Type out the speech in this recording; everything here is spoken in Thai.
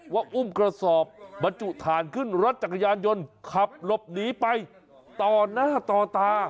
ว่าอุ้มกระสอบบรรจุฐานขึ้นรถจักรยานยนต์ขับหลบหนีไปต่อหน้าต่อตา